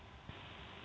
sesuai dengan pemerintah